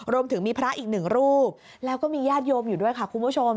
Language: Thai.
รวมถึงมีพระอีกหนึ่งรูปแล้วก็มีญาติโยมอยู่ด้วยค่ะคุณผู้ชม